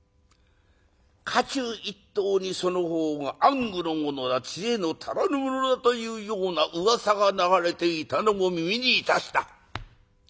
家中一統にその方が暗愚の者だ知恵の足らぬ者だというような噂が流れていたのも耳にいたした。